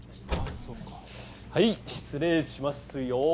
はい失礼しますよ。